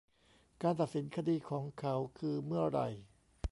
การตัดสินคดีของเขาคือเมื่อไหร่